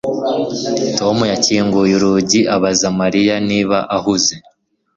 Tom yakinguye urugi abaza Mariya niba ahuze